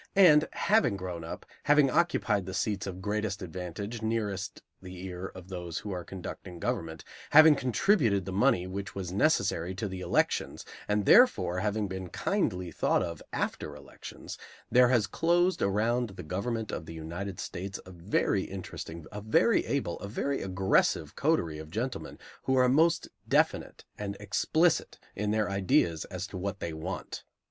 And, having grown up, having occupied the seats of greatest advantage nearest the ear of those who are conducting government, having contributed the money which was necessary to the elections, and therefore having been kindly thought of after elections, there has closed around the government of the United States a very interesting, a very able, a very aggressive coterie of gentlemen who are most definite and explicit in their ideas as to what they want.